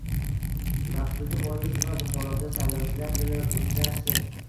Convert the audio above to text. Maqsuda Vorisova Buxoroda saylovchilar bilan uchrashdi